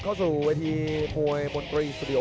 ขอบคุณครับ